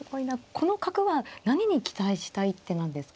この角は何に期待した一手なんですか。